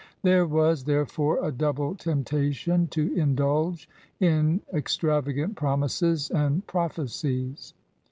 There was, therefore, a double tempta tion to indulge in extravagant promises and prophecies.